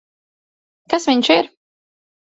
Kas viņš ir?